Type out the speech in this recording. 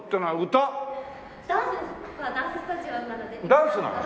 ダンスなの？